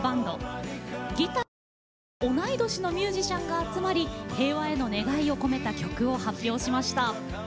ギターを愛する同い年のミュージシャンが集まり平和への願いを込めた曲を発表しました。